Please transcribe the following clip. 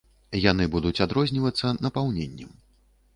Яны будуць адрознівацца напаўненнем.